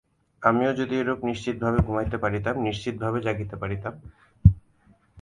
আমিও যদি এইরূপ নিশ্চিন্তভাবে ঘুমাইতে পারিতাম, নিশ্চিন্তভাবে জাগিতে পারিতাম।